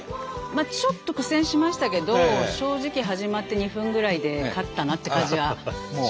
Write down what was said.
まあちょっと苦戦しましたけど正直始まって２分ぐらいで勝ったなって感じはしました。